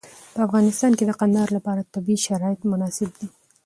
په افغانستان کې د کندهار لپاره طبیعي شرایط مناسب دي.